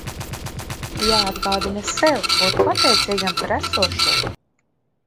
Jāatgādina sev būt pateicīgam par esošo!